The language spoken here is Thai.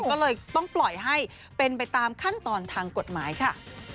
ก็เลยต้องปล่อยให้เป็นไปตามขั้นตอนทางกฎหมายค่ะ